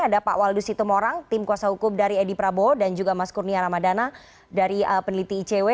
ada pak waldus situmorang tim kuasa hukum dari edi prabowo dan juga mas kurnia ramadana dari peneliti icw